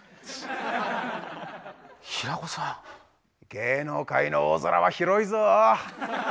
芸能界の大空は広いぞ！